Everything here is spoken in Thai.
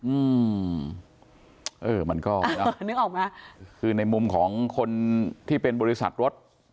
อืมมันก็คือในมุมของคนที่เป็นบริษัทรถ